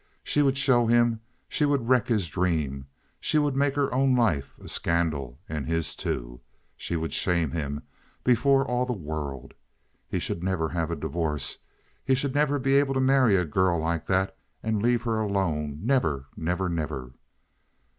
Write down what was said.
She would show him, she would wreck his dream, she would make her own life a scandal, and his too! She would shame him before all the world. He should never have a divorce! He should never be able to marry a girl like that and leave her alone—never, never, never!